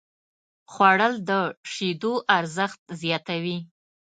خوړل د شیدو ارزښت زیاتوي